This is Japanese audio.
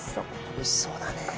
美味しそうだね。